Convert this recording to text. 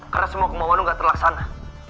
karena semua kemauan lo gak terlaksana